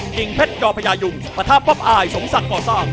กิ่งเพชรกรพยายุงพระท่าป๊อบอายสงสัตว์ก่อซ่าม